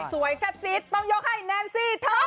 สวยแซ่บซิดต้องยกให้แนนซี่ท็อปไลน์